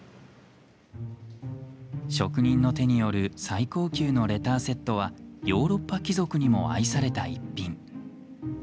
職人の手による最高級のレターセットはヨーロッパ貴族にも愛された逸品。